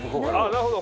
なるほど。